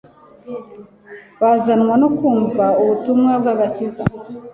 bazanwa no kumva ubutumwa bw'agakiza.